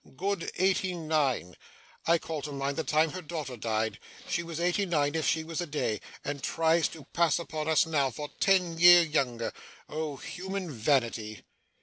Good eighty nine. I call to mind the time her daughter died. She was eighty nine if she was a day, and tries to pass upon us now, for ten year younger. Oh! human vanity!